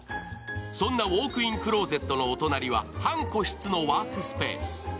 そんなウオークインクローゼットのお隣は半個室のワークスペース。